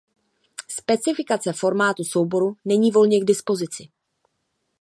Specifikace formátu souboru není volně k dispozici.